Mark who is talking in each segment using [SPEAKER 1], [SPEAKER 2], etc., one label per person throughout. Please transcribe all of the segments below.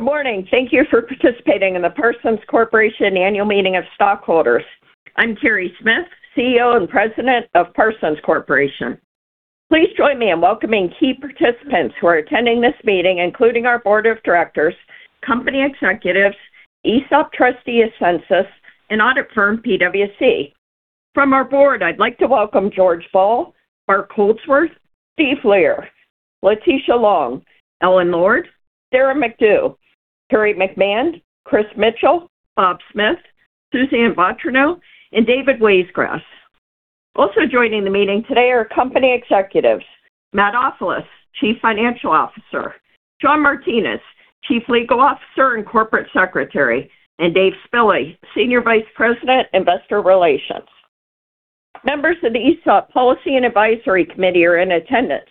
[SPEAKER 1] Good morning. Thank you for participating in the Parsons Corporation Annual Meeting of Stockholders. I'm Carey Smith, CEO and President of Parsons Corporation. Please join me in welcoming key participants who are attending this meeting, including our Board of Directors, company executives, ESOP Trustee, Ascensus, and audit firm, PwC. From our Board, I'd like to welcome George Ball, Mark Goldthorpe, Steven Leer, Letitia Long, Ellen Lord, Sarah Macdu, Harry T. McMahon, M. Christian Mitchell, Robert H. Smith, Suzanne Vautrinot, and David C. Wajsgras. Also joining the meeting today are company executives, Matt Ofilos, Chief Financial Officer, John Martinez, Chief Legal Officer and Corporate Secretary, and Dave Spille, Senior Vice President, Investor Relations. Members of the ESOP Policy and Advisory Committee are in attendance,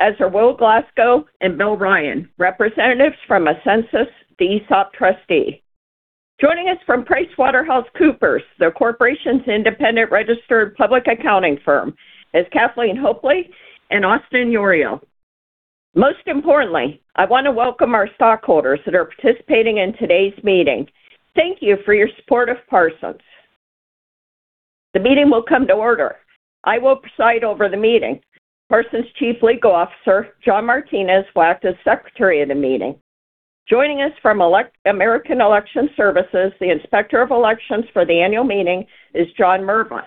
[SPEAKER 1] as are Will Glasgow and Bill Ryan, representatives from Ascensus, the ESOP Trustee. Joining us from PricewaterhouseCoopers, the corporation's independent registered public accounting firm, is Kathleen Hopley and Austin Ureel. Most importantly, I want to welcome our stockholders that are participating in today's meeting. Thank you for your support of Parsons. The meeting will come to order. I will preside over the meeting. Parsons' Chief Legal Officer, John Martinez, will act as Secretary of the meeting. Joining us from American Election Services, the Inspector of Elections for the annual meeting is John Mumber.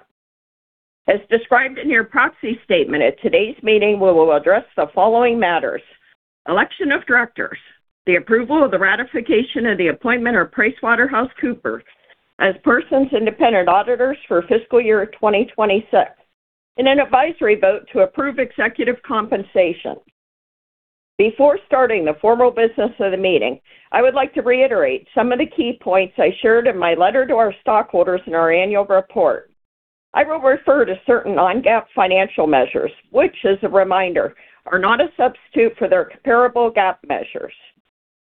[SPEAKER 1] As described in your proxy statement, at today's meeting, we will address the following matters, election of directors, the approval of the ratification of the appointment of PricewaterhouseCoopers as Parsons' independent auditors for fiscal year 2026, and an advisory vote to approve executive compensation. Before starting the formal business of the meeting, I would like to reiterate some of the key points I shared in my letter to our stockholders in our annual report. I will refer to certain non-GAAP financial measures, which, as a reminder, are not a substitute for their comparable GAAP measures.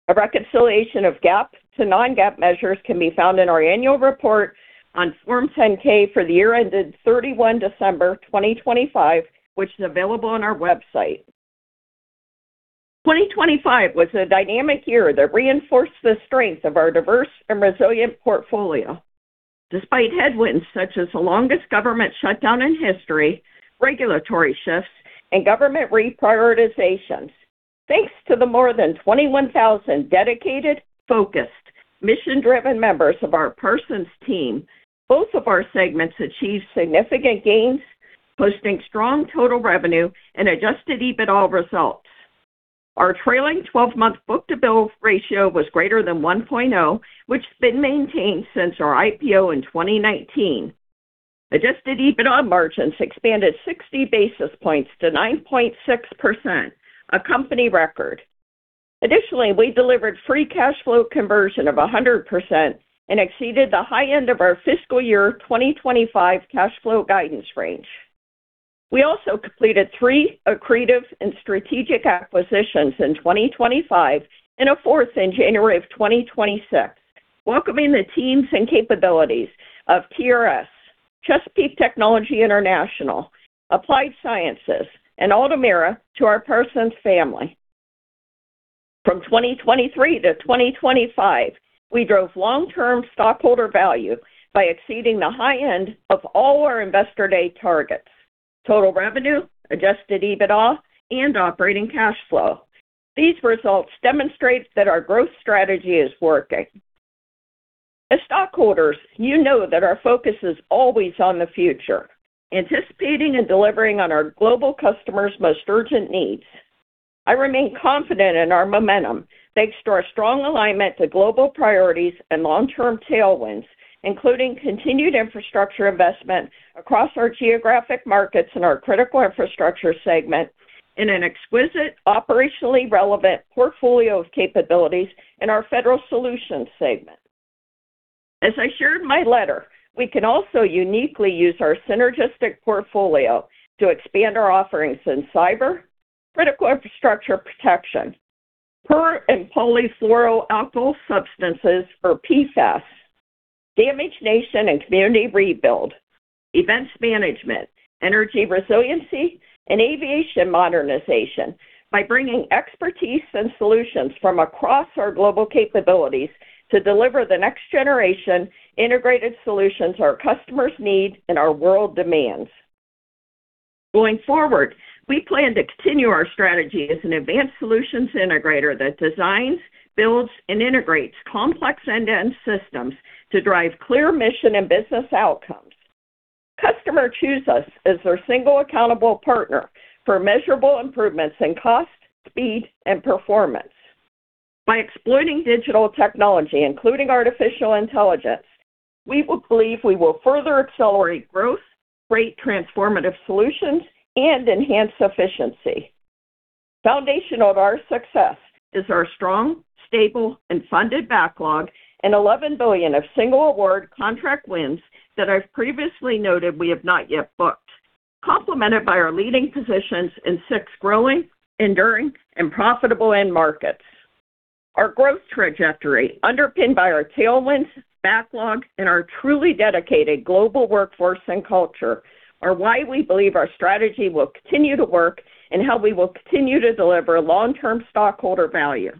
[SPEAKER 1] A reconciliation of GAAP to non-GAAP measures can be found in our annual report on Form 10-K for the year ended 31 December 2025, which is available on our website. 2025 was a dynamic year that reinforced the strength of our diverse and resilient portfolio despite headwinds such as the longest government shutdown in history, regulatory shifts, and government reprioritization. Thanks to the more than 21,000 dedicated, focused, mission-driven members of our Parsons team, both of our segments achieved significant gains, posting strong total revenue and adjusted EBITDA results. Our trailing 12-month book-to-bill ratio was greater than 1.0, which has been maintained since our IPO in 2019. Adjusted EBITDA margins expanded 60 basis points to 9.6%, a company record. Additionally, we delivered free cash flow conversion of 100% and exceeded the high end of our fiscal year 2025 cash flow guidance range. We also completed three accretive and strategic acquisitions in 2025 and a fourth in January of 2026, welcoming the teams and capabilities of TRS, Chesapeake Technology International, Corp. Applied Sciences, and Altamira to our Parsons family. From 2023-2025, we drove long-term stockholder value by exceeding the high end of all our Investor Day targets, total revenue, adjusted EBITDA, and operating cash flow. These results demonstrate that our growth strategy is working. As stockholders, you know that our focus is always on the future, anticipating and delivering on our global customers' most urgent needs. I remain confident in our momentum, thanks to our strong alignment to global priorities and long-term tailwinds, including continued infrastructure investment across our geographic markets and our Critical Infrastructure segment in an exquisite, operationally relevant portfolio of capabilities in our Federal Solutions segment. As I shared in my letter, we can also uniquely use our synergistic portfolio to expand our offerings in cyber, critical infrastructure protection, per- and polyfluoroalkyl substances or PFAS, decontamination and community rebuild, emergency management, energy resiliency, and aviation modernization by bringing expertise and solutions from across our global capabilities to deliver the next-generation integrated solutions our customers need and our world demands. Going forward, we plan to continue our strategy as an advanced solutions integrator that designs, builds, and integrates complex end-to-end systems to drive clear mission and business outcomes. Customers choose us as their single accountable partner for measurable improvements in cost, speed, and performance. By exploiting digital technology, including artificial intelligence, we believe we will further accelerate growth, create transformative solutions, and enhance efficiency. Foundational to our success is our strong, stable, and funded backlog and $11 billion of single-award contract wins that I've previously noted we have not yet booked, complemented by our leading positions in six growing, enduring, and profitable end markets. Our growth trajectory, underpinned by our tailwinds, backlogs, and our truly dedicated global workforce and culture, are why we believe our strategy will continue to work and how we will continue to deliver long-term stockholder value.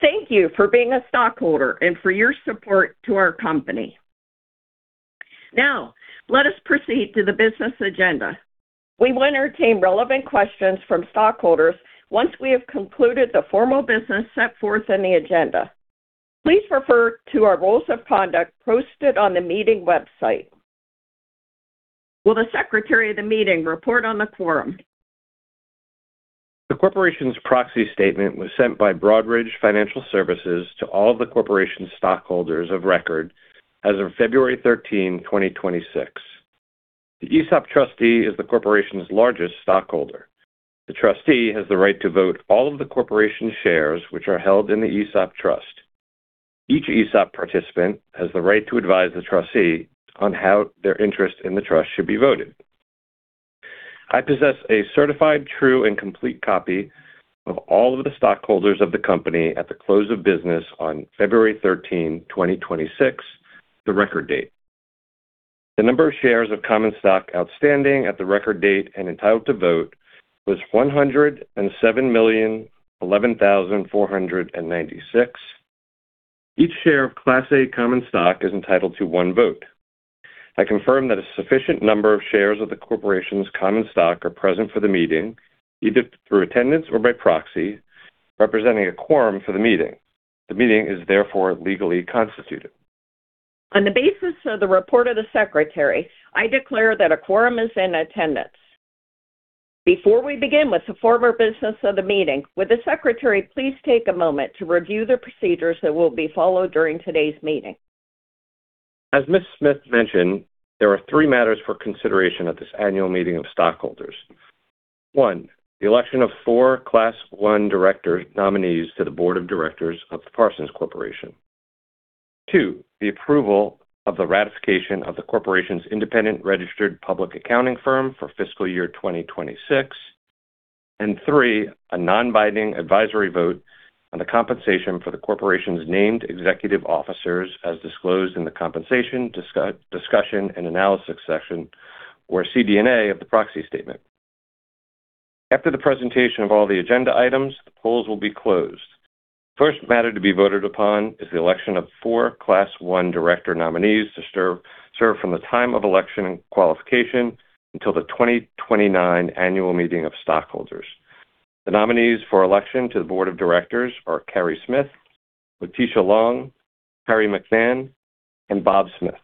[SPEAKER 1] Thank you for being a stockholder and for your support to our company. Now, let us proceed to the business agenda. We will entertain relevant questions from stockholders once we have concluded the formal business set forth in the agenda. Please refer to our rules of conduct posted on the meeting website. Will the Secretary of the Meeting report on the quorum?
[SPEAKER 2] The corporation's proxy statement was sent by Broadridge Financial Services to all of the corporation's stockholders of record as of February 13, 2026. The ESOP trustee is the corporation's largest stockholder. The trustee has the right to vote all of the corporation's shares, which are held in the ESOP trust. Each ESOP participant has the right to advise the trustee on how their interest in the trust should be voted. I possess a certified true and complete copy of all of the stockholders of the company at the close of business on February 13, 2026, the record date. The number of shares of common stock outstanding at the record date and entitled to vote was 107,011,496. Each share of Class A common stock is entitled to one vote. I confirm that a sufficient number of shares of the corporation's common stock are present for the meeting, either through attendance or by proxy, representing a quorum for the meeting. The meeting is therefore legally constituted.
[SPEAKER 1] On the basis of the report of the Secretary, I declare that a quorum is in attendance. Before we begin with the formal business of the meeting, would the Secretary please take a moment to review the procedures that will be followed during today's meeting?
[SPEAKER 2] As Ms. Smith mentioned, there are three matters for consideration at this Annual Meeting of Stockholders. One, the election of four Class 1 Director nominees to the Board of Directors of the Parsons Corporation. Two, the approval of the ratification of the corporation's independent registered public accounting firm for fiscal year 2026. Three, a non-binding advisory vote on the compensation for the corporation's Named Executive Officers as disclosed in the Compensation Discussion and Analysis section, or CD&A of the proxy statement. After the presentation of all the agenda items, the polls will be closed. First matter to be voted upon is the election of four Class 1 Director nominees to serve from the time of election and qualification until the 2029 Annual Meeting of Stockholders. The nominees for election to the Board of Directors are Carey Smith, Letitia Long, Harry T. McMahon, and Robert H. Smith.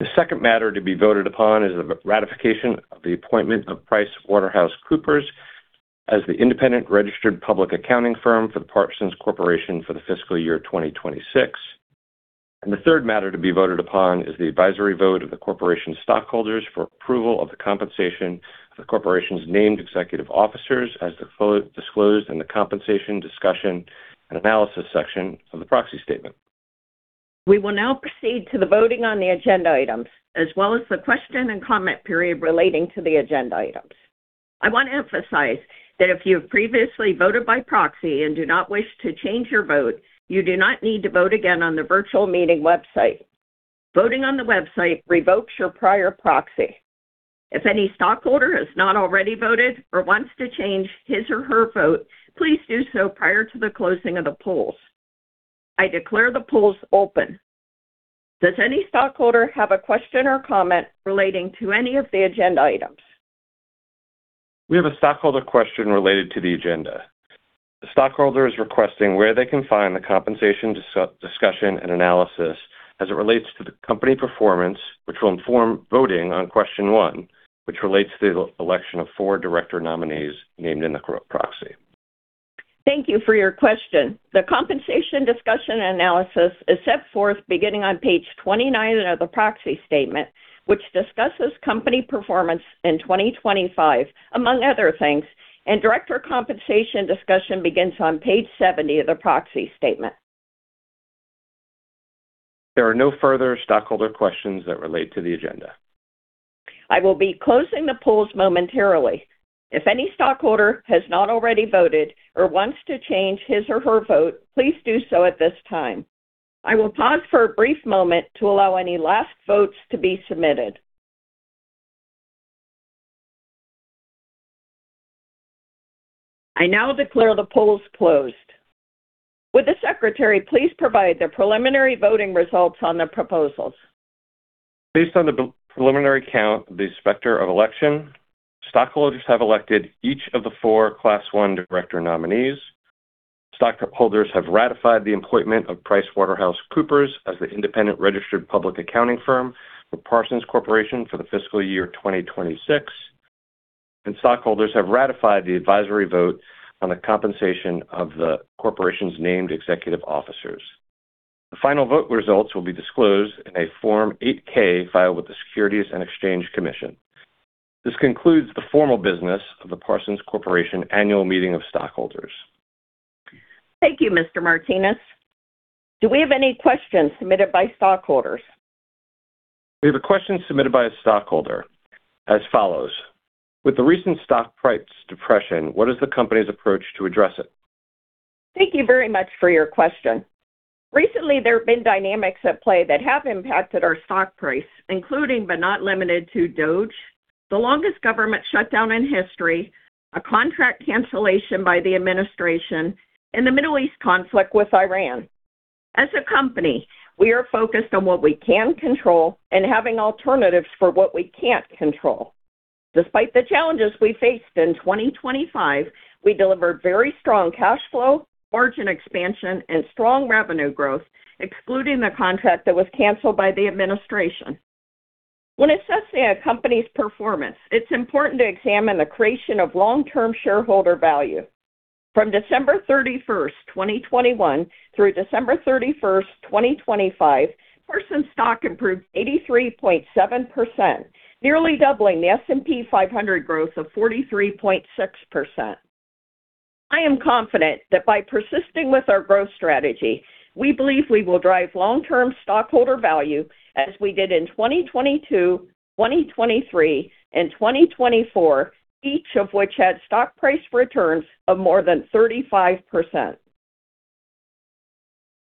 [SPEAKER 2] The second matter to be voted upon is the ratification of the appointment of PricewaterhouseCoopers as the independent registered public accounting firm for the Parsons Corporation for the fiscal year 2026. The third matter to be voted upon is the advisory vote of the corporation's stockholders for approval of the compensation of the corporation's named executive officers, as disclosed in the Compensation Discussion and Analysis section of the proxy statement.
[SPEAKER 1] We will now proceed to the voting on the agenda items, as well as the question and comment period relating to the agenda items. I want to emphasize that if you have previously voted by proxy and do not wish to change your vote, you do not need to vote again on the virtual meeting website. Voting on the website revokes your prior proxy. If any stockholder has not already voted or wants to change his or her vote, please do so prior to the closing of the polls. I declare the polls open. Does any stockholder have a question or comment relating to any of the agenda items?
[SPEAKER 2] We have a stockholder question related to the agenda. The stockholder is requesting where they can find the Compensation Discussion and Analysis as it relates to the company performance, which will inform voting on Question one, which relates to the election of four director nominees named in the proxy.
[SPEAKER 1] Thank you for your question. The Compensation Discussion and Analysis is set forth beginning on page 29 of the proxy statement, which discusses company performance in 2025, among other things, and Director Compensation discussion begins on page 70 of the proxy statement.
[SPEAKER 2] There are no further stockholder questions that relate to the agenda.
[SPEAKER 1] I will be closing the polls momentarily. If any stockholder has not already voted or wants to change his or her vote, please do so at this time. I will pause for a brief moment to allow any last votes to be submitted. I now declare the polls closed. Would the Secretary please provide the preliminary voting results on the proposals?
[SPEAKER 2] Based on the preliminary count of the Inspector of Election, stockholders have elected each of the four Class 1 director nominees. Stockholders have ratified the appointment of PricewaterhouseCoopers as the independent registered public accounting firm for Parsons Corporation for the fiscal year 2026. Stockholders have ratified the advisory vote on the compensation of the corporation's named executive officers. The final vote results will be disclosed in a Form 8-K filed with the Securities and Exchange Commission. This concludes the formal business of the Parsons Corporation annual meeting of stockholders.
[SPEAKER 1] Thank you, Mr. Martinez. Do we have any questions submitted by stockholders?
[SPEAKER 2] We have a question submitted by a stockholder as follows. With the recent stock price depression, what is the company's approach to address it?
[SPEAKER 1] Thank you very much for your question. Recently, there have been dynamics at play that have impacted our stock price, including but not limited to DOD, the longest government shutdown in history, a contract cancellation by the administration, and the Middle East conflict with Iran. As a company, we are focused on what we can control and having alternatives for what we can't control. Despite the challenges we faced in 2025, we delivered very strong cash flow, margin expansion, and strong revenue growth, excluding the contract that was canceled by the administration. When assessing a company's performance, it's important to examine the creation of long-term shareholder value. From December 31st, 2021, through December 31st, 2025, Parsons stock improved 83.7%, nearly doubling the S&P 500 growth of 43.6%. I am confident that by persisting with our growth strategy, we believe we will drive long-term stockholder value as we did in 2022, 2023, and 2024, each of which had stock price returns of more than 35%.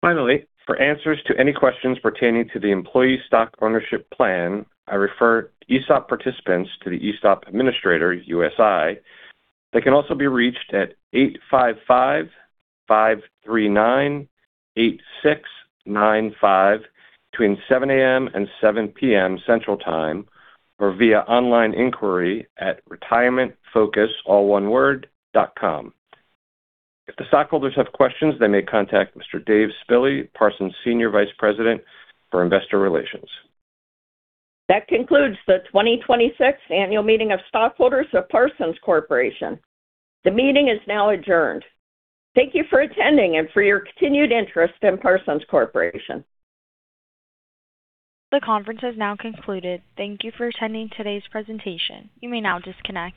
[SPEAKER 2] Finally, for answers to any questions pertaining to the employee stock ownership plan, I refer ESOP participants to the ESOP administrator, USI. They can also be reached at 855-539-8695 between 7:00 A.M. and 7:00 P.M. Central Time, or via online inquiry at retirementFocus, all one word, .com. If the stockholders have questions, they may contact Mr. Dave Spille, Parsons Senior Vice President for Investor Relations.
[SPEAKER 1] That concludes the 2026 Annual Meeting of Stockholders of Parsons Corporation. The meeting is now adjourned. Thank you for attending and for your continued interest in Parsons Corporation.
[SPEAKER 3] The conference has now concluded. Thank you for attending today's presentation. You may now disconnect.